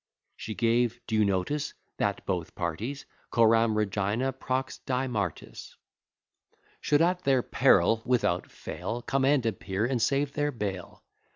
She gave due notice, that both parties, Coram Regina, prox' die Martis, Should at their peril, without fail, Come and appear, and save their bail.